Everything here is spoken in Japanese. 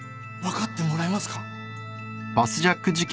分かってもらえますか？